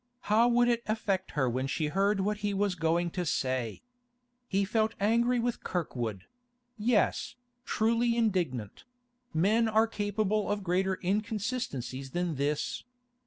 How would it affect her when she heard what he was going to say? He felt angry with Kirkwood; yes, truly indignant—men are capable of greater inconsistencies than this.